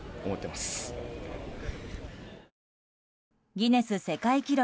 ギネス世界記録